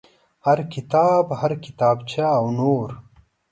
هر کتاب هر کتابچه او نور.